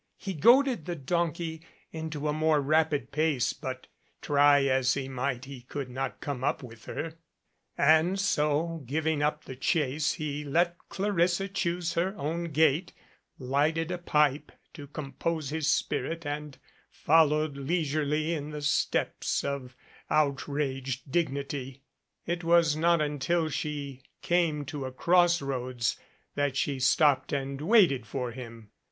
He goaded the donkey into a more rapid pace, but try as he might he could not come up with her, and so giving up the chase he let Clarissa choose her own gait, lighted a pipe to compose his spirit and followed leisurely in the steps of outraged dignity. It was not until she came to a cross roads that she stopped and waited for him.